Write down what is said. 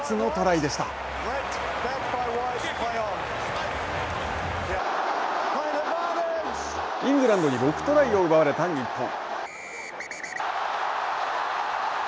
イングランドに６トライを奪われた日本。